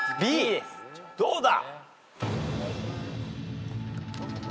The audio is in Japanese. どうだ！？